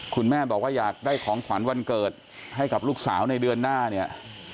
คุณแม่บอกว่าอยากได้ของขวัญวันเกิดให้กับลูกสาวในเดือนหน้าเนี่ย